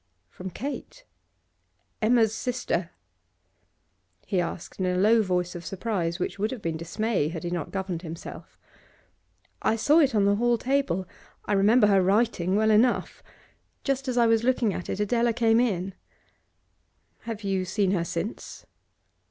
'From Kate? Emma's sister?' he asked in a low voice of surprise which would have been dismay had he not governed himself. 'I saw it on the hall table; I remember her writing well enough. Just as I was looking at it Adela came in.' 'Have you seen her since?